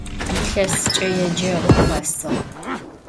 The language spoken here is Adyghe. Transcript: Yilhesıç'e yêceğur khesığ.